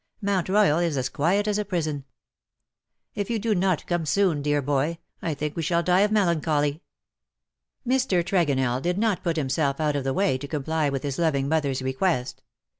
Mount Royal is as quiet as a prison. If you do not come soon, dear boy, I think we shall die of melancholy/^ Mr. Tregonell did not put himself out of the way to comply with his loving mother^s request.